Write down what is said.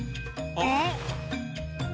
あっ！